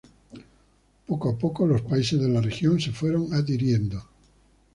Poco a poco, los países de la región se fueron adhiriendo.